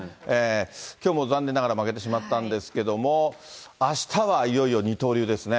きょうも残念ながら負けてしまったんですけれども、あしたはいよいよ二刀流ですね。